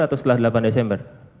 atau setelah delapan desember